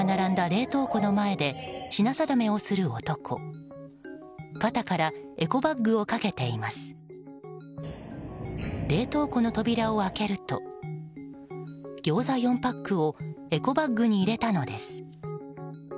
冷凍庫の扉を開けるとギョーザ４パックをエコバッグに入れたのです。